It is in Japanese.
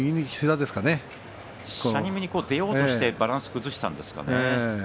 しゃにむに出ようとしてバランスを崩したんですかね。